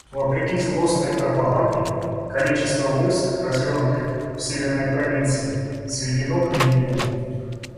Вопреки злостной пропаганде, количество войск, развернутых в Северной провинции, сведено к минимуму.